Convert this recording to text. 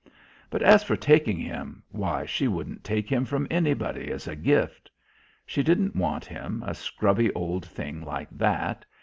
But as for taking him, why, she wouldn't take him from anybody as a gift. She didn't want him, a scrubby old thing like that.